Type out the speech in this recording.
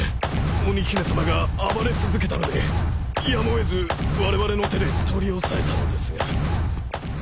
鬼姫様が暴れ続けたのでやむを得ずわれわれの手で取り押さえたのですが。